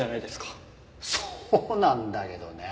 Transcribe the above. そうなんだけどね。